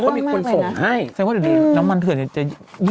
เขามูลเขาเยอะจังเลยหลายเรื่องมากเลยนะ